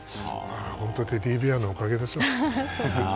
本当、テディベアのおかげですよ。